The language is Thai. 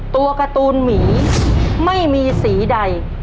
ตัวการ์ตูนหมีไม่มีสีใด